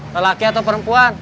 lelaki atau perempuan